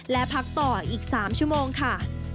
และพักต่ออีก๓ชั่วโมงค่ะ